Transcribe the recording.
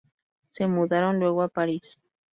Se mudaron luego a París.